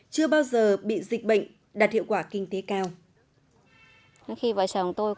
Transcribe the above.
chưa bao giờ bị dịch bệnh đạt hiệu quả kinh tế cao